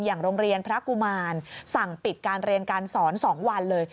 อย่างโรงเรียนพระกุมารสั่งปิดการเรียนการสอน๒วันเลย